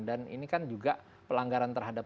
dan ini kan juga pelanggaran terhadap